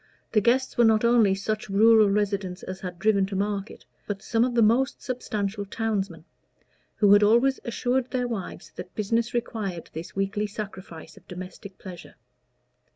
The guests were not only such rural residents as had driven to market, but some of the most substantial townsmen, who had always assured their wives that business required this weekly sacrifice of domestic pleasure.